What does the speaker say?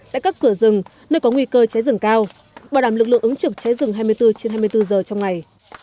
tại các cửa rừng nơi có nguy cơ cháy rừng cao bảo đảm lực lượng ứng trực cháy rừng hai mươi bốn trên hai mươi bốn giờ trong ngày